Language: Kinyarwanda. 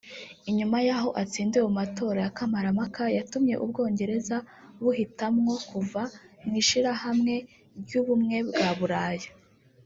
inyuma y'aho atsindiwe mu matora ya kamarampaka yatumye Ubwongereza buhitamwo kuva mw'ishirahamwe ry'ubumwe bwa Buraya